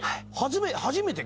初めて？